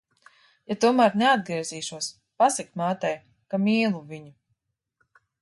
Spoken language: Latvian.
Ja tomēr neatgriezīšos, pasaki mātei, ka mīlu viņu.